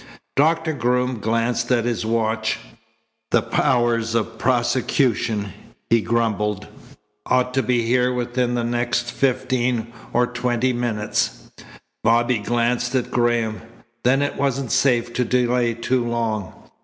Doctor Groom glanced at his watch. "The powers of prosecution," he grumbled, "ought to be here within the next fifteen or twenty minutes." Bobby glanced at Graham. Then it wasn't safe to delay too long.